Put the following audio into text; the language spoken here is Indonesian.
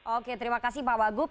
oke terima kasih pak wagub